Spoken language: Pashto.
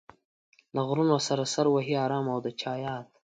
له غرونو سره سر وهي ارام او د چا ياد